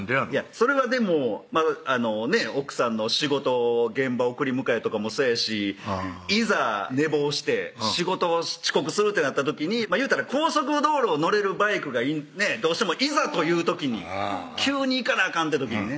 それはでも奥さんの仕事現場送り迎えとかもそやしいざ寝坊して仕事遅刻するってなった時にいうたら高速道路乗れるバイクがどうしてもいざという時に急に行かなあかんって時にね